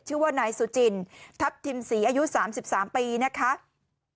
ชื่อว่านายสุจินทัพทิมศรีอายุ๓๓ปีนะคะ